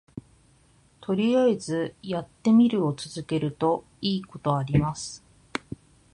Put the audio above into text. とりあえずやってみるを続けるといいことあります